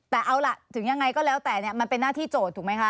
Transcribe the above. แต่เอาล่ะถึงยังไงก็แล้วแต่เนี่ยมันเป็นหน้าที่โจทย์ถูกไหมคะ